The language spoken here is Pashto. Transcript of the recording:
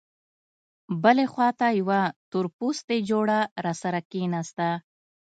بلې خوا ته یوه تورپوستې جوړه راسره کېناسته.